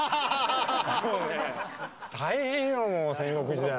もうね大変よ戦国時代。